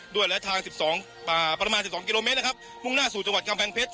ด้วยทางสิบสองประมาณสิบสองกิโลเมตรนะครับพรุ่งหน้าสู่จังหวัดกำแปลงเพชร